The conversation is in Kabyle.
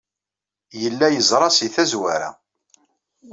Yella yeẓra si tazwara.